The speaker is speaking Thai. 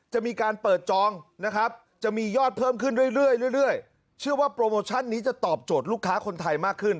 จะมีการเปิดจองนะครับจะมียอดเพิ่มขึ้นเรื่อยเรื่อยเชื่อว่าโปรโมชั่นนี้จะตอบโจทย์ลูกค้าคนไทยมากขึ้น